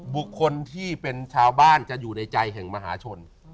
บุคคลที่เป็นชาวบ้านจะอยู่ในใจแห่งมหาชน